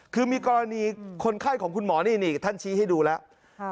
คือมีกรณีคนไข้ของคุณหมอนี่ท่านชี้ให้ดูแล้ว